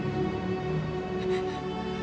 terima kasih nia